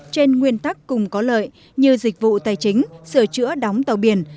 trên nguyên tắc cùng có lợi như dịch vụ tài chính sửa chữa đóng tàu biển